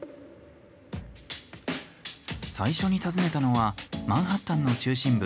最初に訪ねたのはマンハッタンの中心部。